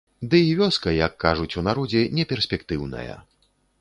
Ды і вёска, як кажуць у народзе, неперспектыўная.